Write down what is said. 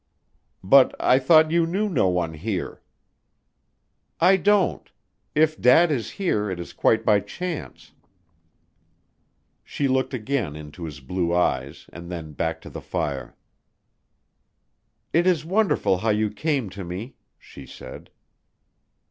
"But I thought you knew no one here?" "I don't. If Dad is here, it is quite by chance." She looked again into his blue eyes and then back to the fire. "It is wonderful how you came to me," she said.